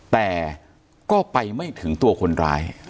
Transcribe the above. แต่ก็ไปไม่ถึงตัวคนร้าย